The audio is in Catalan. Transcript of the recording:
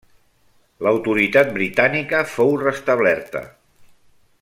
L'autoritat britànica fou restablerta.